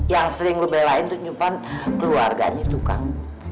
yang sering lu belain tuh nyupan keluarganya tukang